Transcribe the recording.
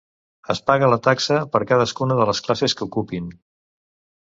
Es paga la taxa per cadascuna de les classes que ocupin.